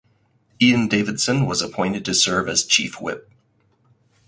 Ian Davidson was appointed to serve as chief whip.